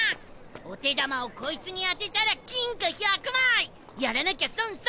お手玉をこいつに当てたら金貨１００枚！やらなきゃ損損！